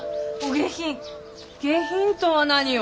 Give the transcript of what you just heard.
下品とは何よ。